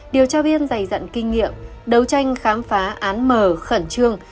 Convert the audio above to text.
điều tra viên dày dặn kinh nghiệm đấu tranh khám phá án mở khẩn trương